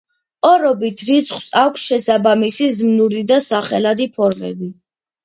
ორობით რიცხვს აქვს შესაბამისი ზმნური და სახელადი ფორმები.